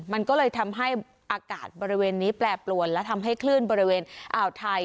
มันก็เลยทำให้อากาศบริเวณนี้แปรปรวนและทำให้คลื่นบริเวณอ่าวไทย